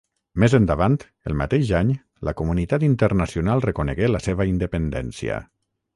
Més endavant, el mateix any, la comunitat internacional reconegué la seva independència.